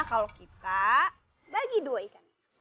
kalau kita bagi dua ikan